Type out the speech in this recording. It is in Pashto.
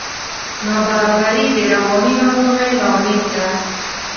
نابرابري د رواني ناروغیو لامل ده.